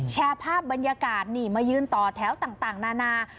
แชร์ภาพบรรยากาศนี่มายืนต่อแถวต่างนานา